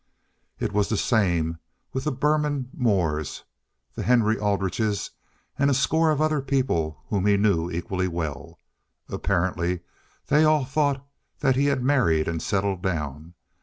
It was the same with the Burnham Moores, the Henry Aldriches, and a score of other people whom he knew equally well. Apparently they all thought that he had married and settled down.